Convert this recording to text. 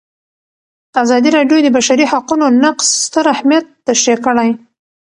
ازادي راډیو د د بشري حقونو نقض ستر اهميت تشریح کړی.